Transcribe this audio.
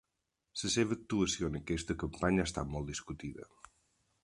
La seva actuació en aquesta campanya ha estat molt discutida.